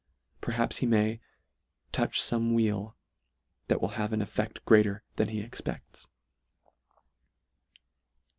Per haps he may " a touch fome wheel" that will have an effecT: greater than he expedts.